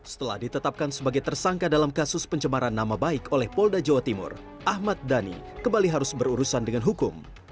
setelah ditetapkan sebagai tersangka dalam kasus pencemaran nama baik oleh polda jawa timur ahmad dhani kembali harus berurusan dengan hukum